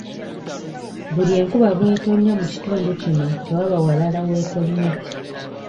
Buli enkuba bw'etonnya mu kitundu kino tewaba walala w'etonnya.